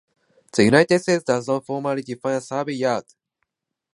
The United States does not formally define a "survey yard".